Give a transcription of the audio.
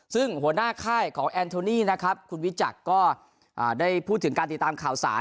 ซึ่งหัวหน้าค่ายของแอนโทนี่นะครับคุณวิจักรก็ได้พูดถึงการติดตามข่าวสาร